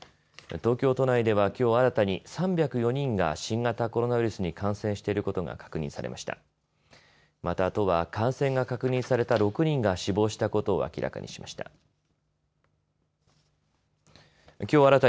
東京都内ではきょう新たに３０４人が新型コロナウイルスに感染していることが確認されました。